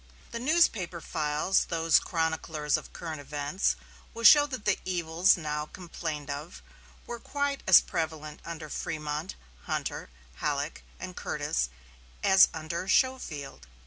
The newspaper files, those chroniclers of current events, will show that the evils now complained of were quite as prevalent under Frémont, Hunter, Halleck, and Curtis, as under Schofield....